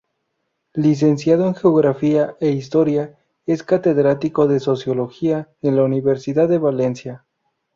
Licenciado en Geografía e Historia, es catedrático de Sociología en la Universidad de Valencia.